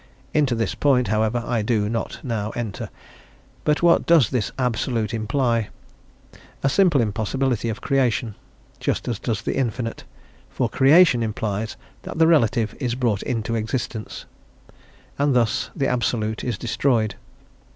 Into this point, however, I do not now enter. But what does this Absolute imply? A simple impossibility of creation, just as does the Infinite; for creation implies that the relative is brought into existence, and thus the Absolute is destroyed.